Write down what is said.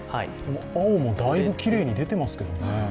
青もだいぶきれいに出てますけどね。